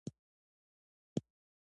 زده کوونکي تېر وخت کې ارام لوستل.